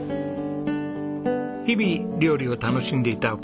日々料理を楽しんでいたお母さん。